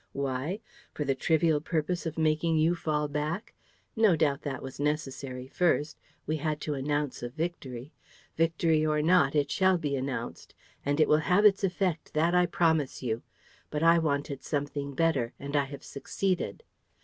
Why? For the trivial purpose of making you fall back? No doubt, that was necessary first: we had to announce a victory. Victory or not, it shall be announced; and it will have its effect, that I promise you. But I wanted something better; and I have succeeded."